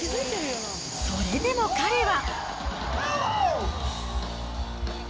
それでも彼は。